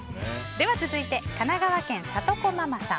では続いて、神奈川県の方。